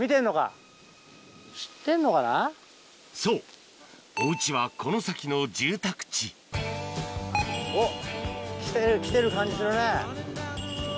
そうおウチはこの先の住宅地おっきてるきてる感じするね。